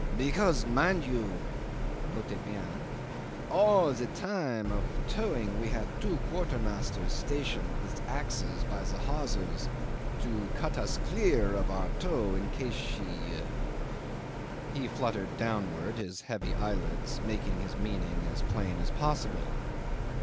... "Because, mind you (notez bien), all the time of towing we had two quartermasters stationed with axes by the hawsers, to cut us clear of our tow in case she ..." He fluttered downwards his heavy eyelids, making his meaning as plain as possible.